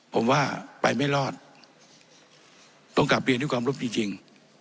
ผมว่าไปไม่รอดต้องกลับเรียนด้วยความรบจริง